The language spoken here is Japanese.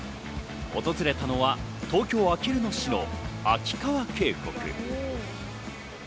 訪れたのは東京・あきる野市の秋川渓谷。